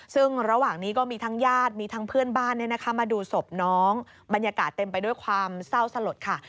ซึ่งระหว่างนี้ก็มีทั้งญาติมีทั้งเพื่อนบ้านมาดูศพน้องบรรยากาศเต็มไปด้วยความเศร้าสลดค่ะ